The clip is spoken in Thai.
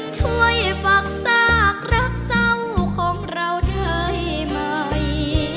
ช่วยฝากซากรักเศร้าของเราได้ไหม